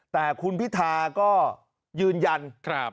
แต่คุณพิธาริมเจ้าก็ยืนยันทำ